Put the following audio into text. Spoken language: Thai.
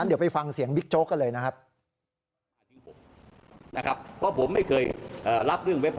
เดี๋ยวไปฟังเสียงบิ๊กโจ๊กกันเลยนะครับ